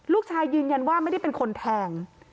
ยืนยันว่าไม่ได้เป็นคนแทง